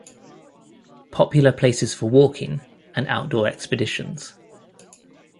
Popular places for walking and outdoor expeditions.